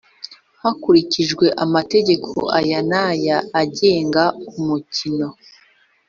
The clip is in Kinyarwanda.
hakurikijwe amategeko aya n aya agenga umukino